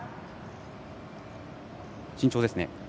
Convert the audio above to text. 慎重ですね。